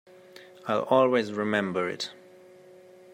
I'll always remember it.